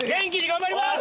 頑張ります！